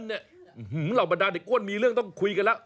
เหล่าบรรดาเด็กอ้วนมีเรื่องต้องคุยกันแล้ว